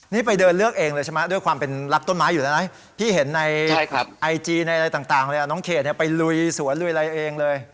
นี่ไปเดินเลือกเองเลยใช่ไหมด้วยความเป็นรักต้นไม้อยู่แล้วนะพี่เห็นในไอจีในอะไรต่างเลยน้องเขตไปลุยสวนลุยอะไรเองเลย